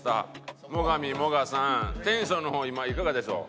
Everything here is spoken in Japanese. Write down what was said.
最上もがさんテンションの方今いかがでしょう？